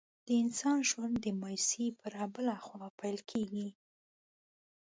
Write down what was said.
د انسان ژوند د مایوسۍ پر آبله خوا پیل کېږي.